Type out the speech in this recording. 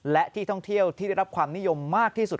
และที่ท่องเที่ยวที่ได้รับความนิยมมากที่สุด